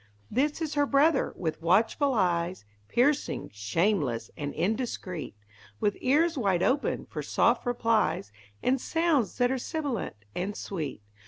This is Her brother, with watchful eyes, Piercing, shameless, and indiscreet, With ears wide open for soft replies And sounds that are sibilant and sweet!